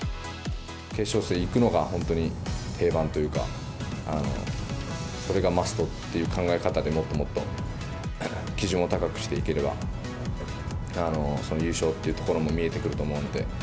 決勝戦に行くのが、本当に定番というか、それがマストという考え方で、もっともっと基準を高くしていければ、その優勝っていうところも見えてくると思うので。